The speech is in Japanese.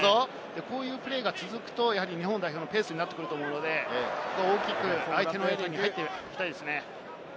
こういうプレーが続くと日本代表のペースになってくると思うので、大きく相手のエリアに入っていきたいですね。